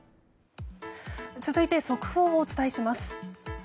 続いて速報をお伝えします。